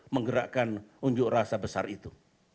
menggerakkan unjuk rasa besar itu